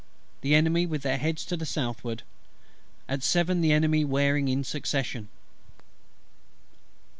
The Enemy with their heads to the southward. At seven the Enemy wearing in succession.